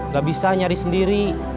gak bisa nyari sendiri